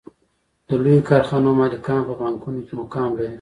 د لویو کارخانو مالکان په بانکونو کې مقام لري